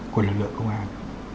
của lực lượng công an